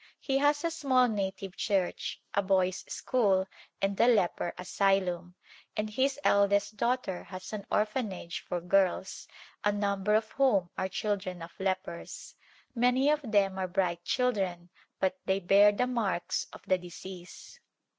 He has a small native church, a boys' school and a " Leper Asylum," and his eldest daughter has an orphanage for girls, a number of whom are children of lepers. Many of them are bright children but they bear the marks of the disease.